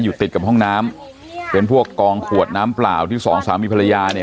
ติดกับห้องน้ำเป็นพวกกองขวดน้ำเปล่าที่สองสามีภรรยาเนี่ย